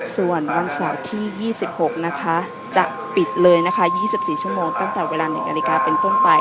ส่วนวันเสาร์ที่๒๖นะคะจะปิดเลยนะคะ๒๔ชั่วโมงตั้งแต่เวลา๑นาฬิกาเป็นต้นไป